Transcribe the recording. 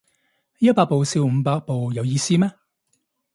一百步笑五十步有意思咩